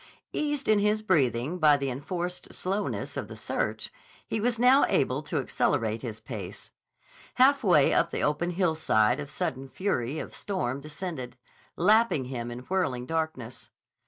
Eased in his breathing by the enforced slowness of the search, he was now able to accelerate his pace. Halfway up the open hillside a sudden fury of storm descended, lapping him in whirling darkness.